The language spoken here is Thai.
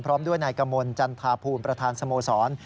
พร้อมด้วยนกจันทธาพูลประธานสโมสร